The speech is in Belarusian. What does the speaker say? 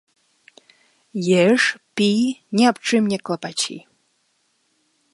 — Еж, пі, ні аб чым не клапаці!